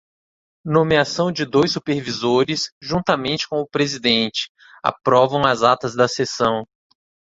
Nomeação de dois supervisores, juntamente com o presidente, aprovam as atas da sessão.